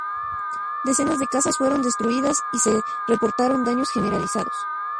Docenas de casas fueron destruidas y se reportaron daños generalizados.